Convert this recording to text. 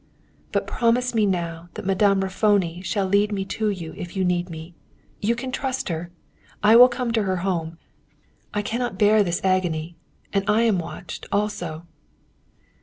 "But promise me now that Madame Raffoni shall lead me to you if you need me. You can trust her. I will come to her home. I cannot bear this agony, and I am watched, also!"